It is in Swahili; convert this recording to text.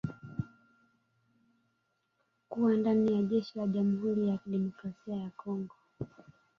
Kuwa ndani ya jeshi la Jamhuri ya kidemokrasia ya Kongo.